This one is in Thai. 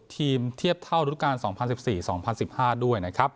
เทียบเท่ารุการ๒๐๑๔๒๐๑๕ด้วยนะครับ